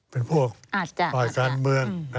เป็นพวกฝ่ายการเมือง